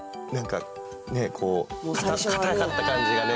固かった感じがね